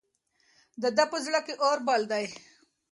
د ده په زړه کې اور بل دی.